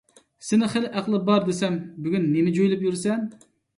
سېنى خېلى ئەقلى بار دېسەم، بۈگۈن نېمە جۆيلۈپ يۈرىسەن؟